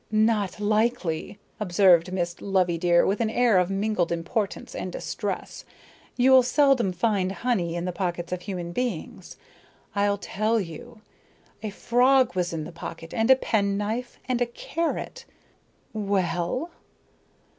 "Not likely," observed Miss Loveydear with an air of mingled importance and distress. "You'll seldom find honey in the pockets of human beings. I'll tell you. A frog was in the pocket, and a pen knife, and a carrot. Well?"